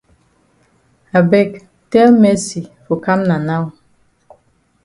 I beg tell Mercy for kam na now.